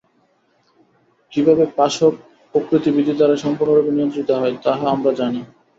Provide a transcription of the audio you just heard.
কিভাবে পাশব প্রকৃতি বিধি দ্বারা সম্পূর্ণরূপে নিয়ন্ত্রিত হয়, তাহা আমরা জানি।